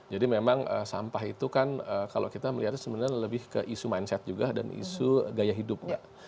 jadi memang sampah itu kan kalau kita melihatnya sebenarnya lebih ke isu mindset juga dan isu gaya hidup